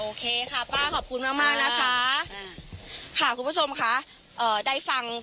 โอเคค่ะป้าขอบคุณมากมากนะคะค่ะคุณผู้ชมค่ะเอ่อได้ฟัง